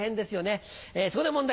そこで問題です。